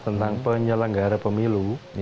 tentang penyelenggara pemilu